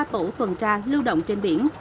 ba tủ tuần tra lưu động trên biển